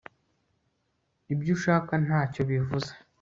Ibyo ushaka ntacyo bivuze